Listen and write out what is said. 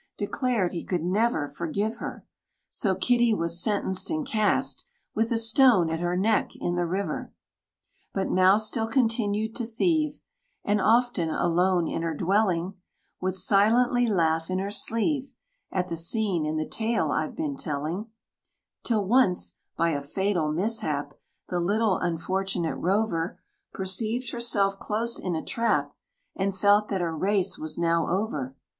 Declared he could never forgive her; So Kitty was sentenced and cast, With a stone at her neck, in the river! But Mouse still continued to thieve; And often, alone in her dwelling, Would silently laugh in her sleeve, At the scene in the tale I've been telling Till once, by a fatal mishap, The little unfortunate rover Perceived herself close in a trap, And felt that her race was now over.